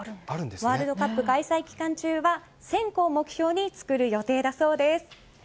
ワールドカップ開催期間中は１０００個を目標に作る予定だそうです。